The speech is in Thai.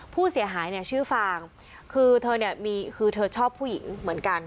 ผู้เสียหายเนี่ยชื่อฟางคือเธอชอบผู้หญิงเหมือนกัน